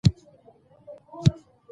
دی غواړي چې موږ خپل ځان وپیژنو.